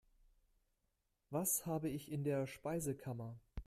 Was habe ich in der Speisekammer?